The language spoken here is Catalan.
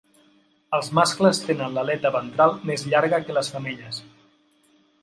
Els mascles tenen l'aleta ventral més llarga que les femelles.